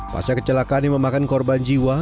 pasca kecelakaan yang memakan korban jiwa